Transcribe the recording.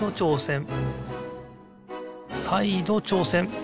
さいどちょうせん。